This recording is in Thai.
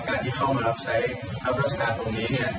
การที่เข้ามารับใส่ธรรมดาสการตรงนี้เนี่ย